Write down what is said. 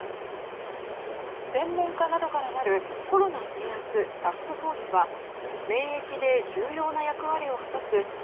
専門家などからなるコロナ制圧タスクフォースは免疫で重要な役割を果たすＤＯＣＫ